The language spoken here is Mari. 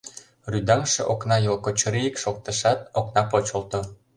Рӱдаҥше окна йол кочырик шоктышат, окна почылто.